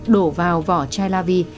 đổ vào vỏ chai la vi